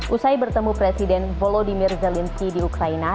usai bertemu presiden volodymyr zelensky di ukraina